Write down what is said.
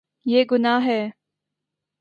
یے گناہ ہے